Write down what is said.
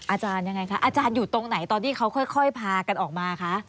อาจารย์ยังไงคะอาจารย์อยู่ตรงไหนตอนที่เขาค่อยพากันออกมาคะ